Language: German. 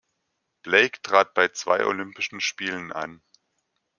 Blake trat bei zwei Olympischen Spielen an.